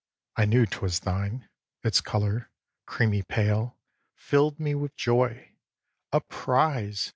I knew 'twas thine; its color, creamy pale, Fill'd me with joy. "A prize!"